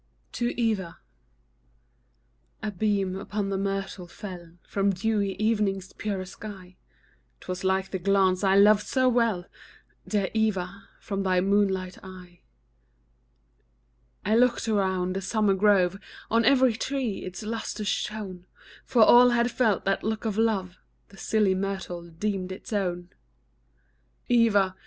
TO EVA. A beam upon the myrtle fell From dewy evening's purest sky, 'Twas like the glance I love so well, Dear Eva, from thy moonlight eye. I looked around the summer grove, On every tree its lustre shone; For all had felt that look of love The silly myrtle deemed its own. Eva!